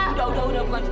udah udah udah